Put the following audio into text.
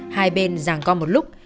hai bên ràng con một lúc